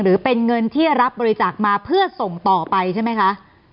หรือเป็นเงินที่รับบริจาคมาเพื่อส่งต่อไปใช่ไหมคะ